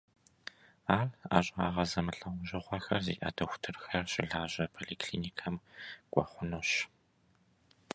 Ар ӀэщӀагъэ зэмылӀэужьыгъуэхэр зиӀэ дохутырхэр щылажьэ поликлиникэм кӀуэ хъунущ.